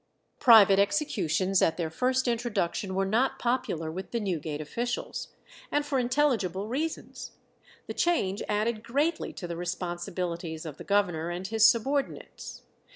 Private executions at their first introduction were not popular with the Newgate officials, and for intelligible reasons. The change added greatly to the responsibilities of the governor and his subordinates.